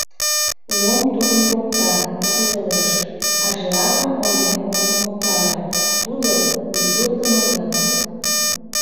Лом тудым покта, вурседылеш, а жирафым ойлен от умылтаре, тудо — культурдымо янлык.